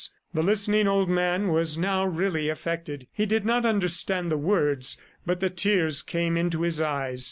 The listening old man was now really affected; he did not understand the words, but the tears came into his eyes.